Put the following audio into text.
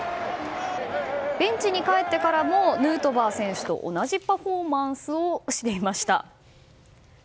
ベンチに帰ってからもヌートバー選手と同じパフォーマンスをしていました。